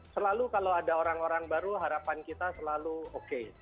selalu kalau ada orang orang baru harapan kita selalu oke